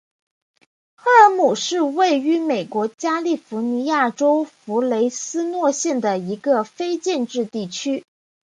赫尔姆是位于美国加利福尼亚州弗雷斯诺县的一个非建制地区。